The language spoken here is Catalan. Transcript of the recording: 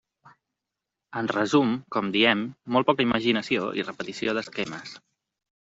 En resum, com diem, molt poca imaginació i repetició d'esquemes.